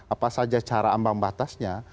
apa saja cara ambang batasnya